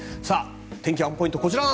天気ワンポイントはこちら。